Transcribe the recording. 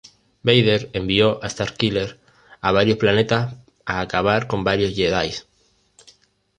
Vader envió a Starkiller a varios planetas a acabar con varios jedis.